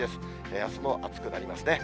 あすも暑くなりますね。